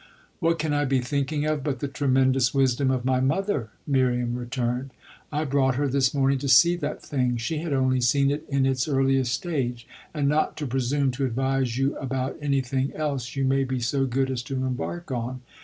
"What can I be thinking of but the tremendous wisdom of my mother?" Miriam returned. "I brought her this morning to see that thing she had only seen it in its earliest stage and not to presume to advise you about anything else you may be so good as to embark on.